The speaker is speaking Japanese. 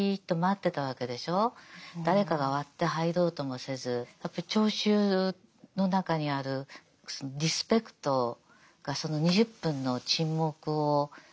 誰かが割って入ろうともせずやっぱり聴衆の中にあるリスペクトがその２０分の沈黙を持続させたんですよね。